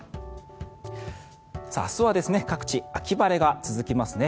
明日は各地、秋晴れが続きます。